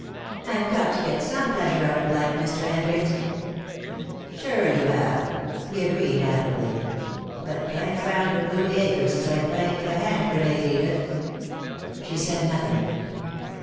"I've got to get some pleasure out of life, Mr. Hendricks." "Sure you have," he agreed affably. "But playing around with Louis Akers is like playing with a hand grenade, Edith." She said nothing.